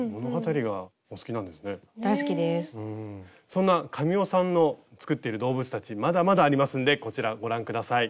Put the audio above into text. そんな神尾さんの作っている動物たちまだまだありますんでこちらご覧下さい。